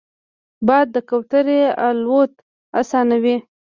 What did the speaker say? باد د کوترې الوت اسانوي